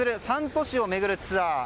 ３都市を巡るツアー